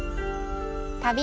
旅。